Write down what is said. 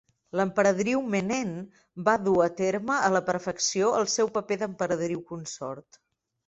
L'emperadriu Menen va dur a terme a la perfecció el seu paper d'emperadriu consort.